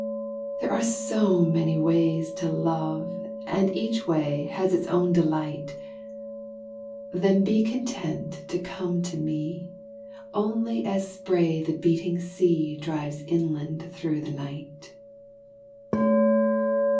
There are so many ways to love And each way has its own delight Then be content to come to me Only as spray the beating sea Drives inland through the night.